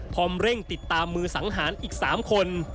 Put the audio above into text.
เร่งติดตามมือสังหารอีก๓คน